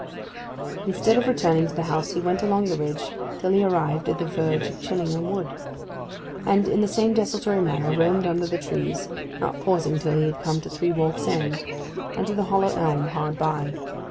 Instead of returning to the house he went along the ridge till he arrived at the verge of Chillington Wood, and in the same desultory manner roamed under the trees, not pausing till he had come to Three Walks End, and the hollow elm hard by.